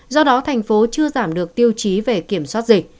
do đó thành phố chưa giảm được tiêu chí về kiểm soát dịch